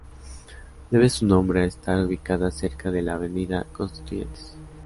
Debe su nombre a estar ubicada cerca de la Avenida Constituyentes.